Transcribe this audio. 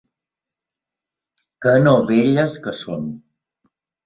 Que novelles que són!